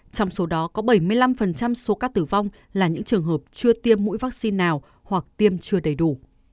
trong số đó có bảy mươi năm số ca tử vong là những trường hợp chưa tiêm mũi vaccine nào hoặc tiêm chưa đầy đủ